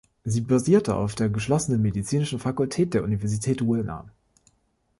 Sie basierte auf der geschlossenen Medizinischen Fakultät der Universität Wilna.